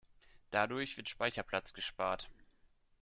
Dadurch wird Speicherplatz gespart.